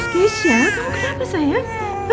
kasia kamu kenapa sayang